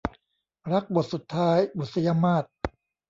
รักบทสุดท้าย - บุษยมาส